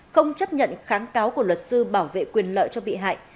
không chấp nhận kháng cáo của luật sư bảo vệ quyền lợi cho bị hại